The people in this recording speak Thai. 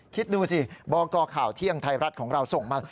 คิดดูสิบกข่าวเที่ยงไทยรัฐของเราส่งมา